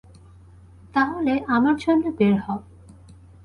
তাহলে আমার জন্য বের হ।